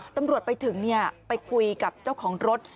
ตำรวจไปถึงไปคุยกับเจ้าของรถ